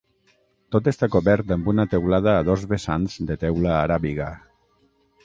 Tot està cobert amb una teulada a dos vessants de teula aràbiga.